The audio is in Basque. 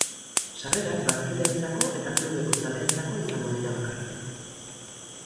Sarrerak bazkideentzako eta klubeko zaleentzako izango dira bakarrik.